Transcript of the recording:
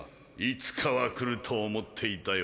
いつかは来ると思っていたよ」